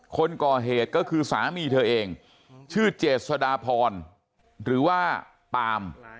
คนก่อเหตุก็คือสามีเธอเองชื่อเจษฎาพรหรือว่าปาล์ม